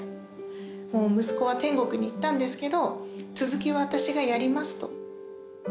もう息子は天国に行ったんですけど続きは私がやりますと。